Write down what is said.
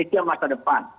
indonesia masa depan